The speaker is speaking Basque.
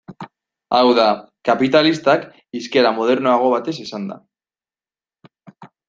Hau da, kapitalistak, hizkera modernoago batez esanda.